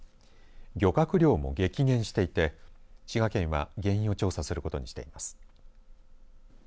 漁獲量も激減していて滋賀県は原因を調査することにしています。